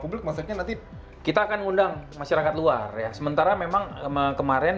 publik maksudnya nanti kita akan undang masyarakat luar ya sementara memang kemarin